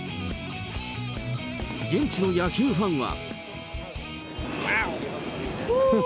現地の野球ファンは。